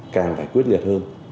càng phải quyết liệt hơn